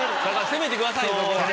攻めてください。